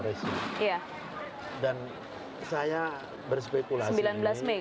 polisi kan menangkap sekitar enam puluh an terduga teroris